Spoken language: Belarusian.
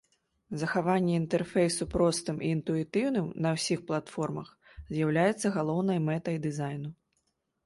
Захаванне інтэрфейсу простым і інтуітыўным на ўсіх платформах з'яўляецца галоўнай мэтай дызайну.